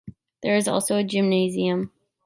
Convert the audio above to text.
There is also a gymnasium.